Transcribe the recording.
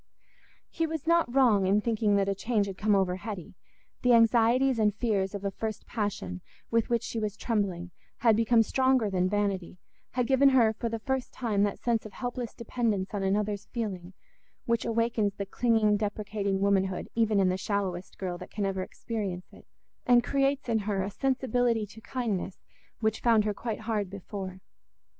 He was not wrong in thinking that a change had come over Hetty: the anxieties and fears of a first passion, with which she was trembling, had become stronger than vanity, had given her for the first time that sense of helpless dependence on another's feeling which awakens the clinging deprecating womanhood even in the shallowest girl that can ever experience it, and creates in her a sensibility to kindness which found her quite hard before.